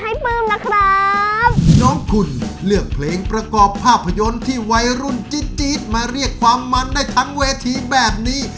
ปลื้มนะครับน้องคุณเลือกเพลงประกอบภาพยนตร์ที่วัยรุ่นจี๊ดจี๊ดมาเรียกความมันได้ทั้งเวทีแบบนี้